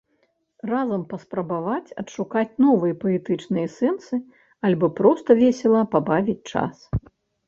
Разам паспрабаваць адшукаць новыя паэтычныя сэнсы, альбо проста весела прабавіць час.